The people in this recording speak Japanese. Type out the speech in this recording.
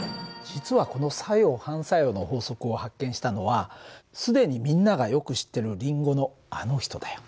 実はこの作用・反作用の法則を発見したのは既にみんながよく知ってるリンゴのあの人だよ。